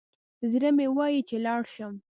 زړه مي وايي چي لاړ شم